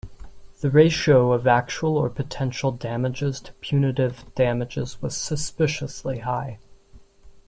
The ratio of actual or potential damages to punitive damages was suspiciously high.